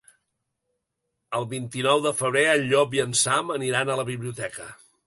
El vint-i-nou de febrer en Llop i en Sam aniran a la biblioteca.